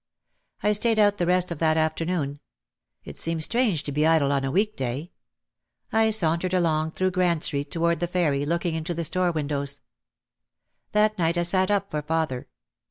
I stayed out the rest of the afternoon. It seemed strange to be idle on a week day. I sauntered along through Grand Street toward the ferry, looking into the store windows. That night I sat up for father.